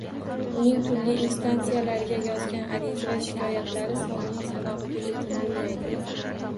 Uning turli instansiyalarga yozgan ariza va shikoyatlari sonining sanog‘iga yetib bo‘lmaydi.